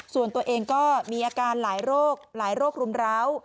ส่วนตัวเองก็มีอาการหลายโรคหลายโรครุมร้าว